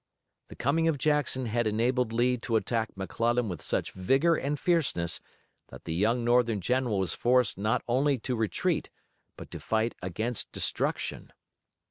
The coming of Jackson had enabled Lee to attack McClellan with such vigor and fierceness that the young Northern general was forced not only to retreat, but to fight against destruction.